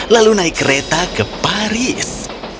lalu naik kereta ke paris